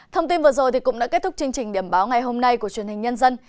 thông tin vừa rồi cũng đã kết thúc chương trình điểm báo ngày hôm nay của truyền hình nhân dân